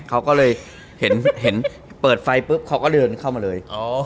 เขาก็เลยเห็นเปิดไฟปุ๊บเขาก็เดินเข้ามาเลย